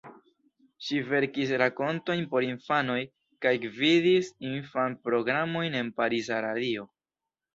Ŝi verkis rakontojn por infanoj kaj gvidis infan-programojn en pariza radio.